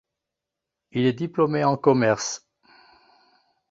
Il est diplômé en commerce.